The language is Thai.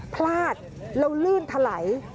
พลาดแล้วลื่นทะไหล